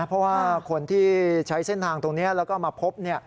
เพราะว่าคนที่ใช้เส้นทางตรงนี้แล้วก็มาพบ